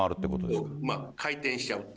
まあ、回転しちゃうと。